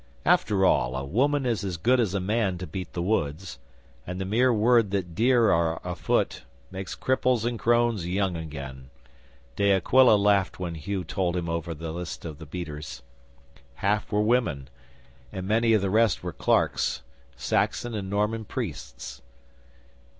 'After all, a woman is as good as a man to beat the woods, and the mere word that deer are afoot makes cripples and crones young again. De Aquila laughed when Hugh told him over the list of beaters. Half were women; and many of the rest were clerks Saxon and Norman priests.